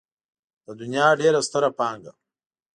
د دنيا ډېره ستره پانګه.